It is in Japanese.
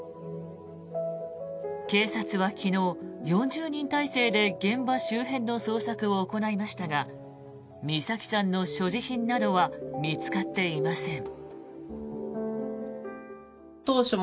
警察は昨日、４０人態勢で現場周辺の捜索を行いましたが美咲さんの所持品などは見つかっていません。